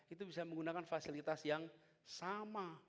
itu bisa menggunakan fasilitas yang sama